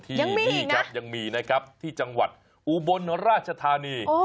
ที่นี่ครับยังมีนะครับที่จังหวัดอุบลราชธานี